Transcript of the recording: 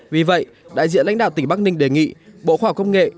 vì vậy đại diện lãnh đạo tỉnh bắc ninh đề nghị bộ khoa học công nghệ